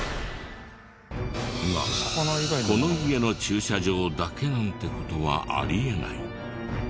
がこの家の駐車場だけなんて事はあり得ない。